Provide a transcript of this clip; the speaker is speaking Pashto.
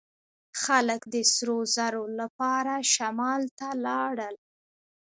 خلک د سرو زرو لپاره شمال ته لاړل.